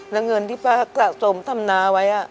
และเงินที่พ่ากสะสมทำนาไว้อะ